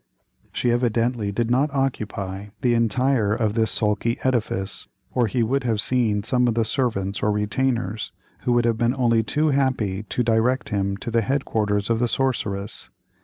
She evidently did not occupy the entire of this sulky edifice, or he would have seen some of the servants or retainers, who would have been only too happy to direct him to the head quarters of the sorceress.